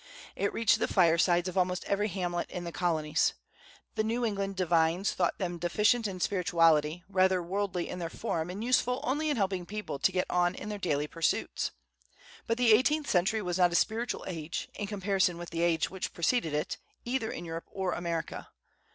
It reached the firesides of almost every hamlet in the colonies. The New England divines thought them deficient in spirituality, rather worldly in their form, and useful only in helping people to get on in their daily pursuits. But the eighteenth century was not a spiritual age, in comparison with the age which preceded it, either in Europe or America.